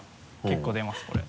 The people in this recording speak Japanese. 結構出ますこれ。